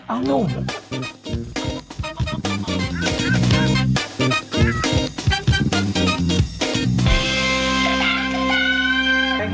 อิจฉามาก